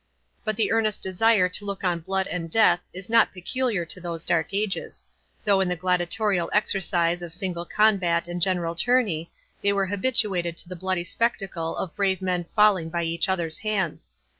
But the earnest desire to look on blood and death, is not peculiar to those dark ages; though in the gladiatorial exercise of single combat and general tourney, they were habituated to the bloody spectacle of brave men falling by each other's hands.